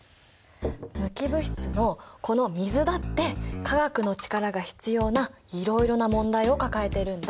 無機物質のこの水だって化学の力が必要ないろいろな問題を抱えているんだ。